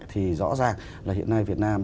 thì rõ ràng là hiện nay việt nam